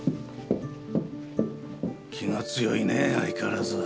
気が強いね相変わらず。